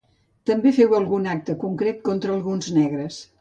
També feu algun acte concret contra alguns negres.